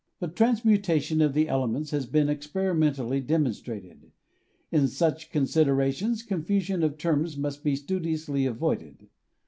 The transmutation of the elements has been experimentally demonstrated. In such considera tions confusion of terms must be studiously avoided.